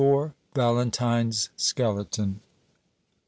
VALENTINE'S SKELETON.